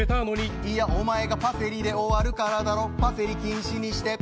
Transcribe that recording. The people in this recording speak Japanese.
いや、お前がパセリで終わるからだろ、パセリ終わりにして。